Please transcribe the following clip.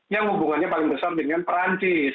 yang hubungannya paling besar dengan perancis